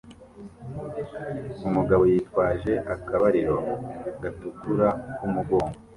Umugabo yitwaje akabariro gatukura ku mugongo